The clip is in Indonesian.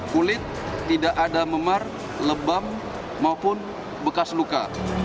kulit tidak ada memar lebam maupun bekas luka